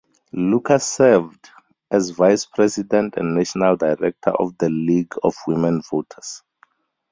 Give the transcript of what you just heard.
Lucas served as Vice President and National Director of the League of Women Voters.